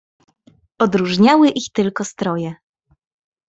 "Odróżniały ich tylko stroje."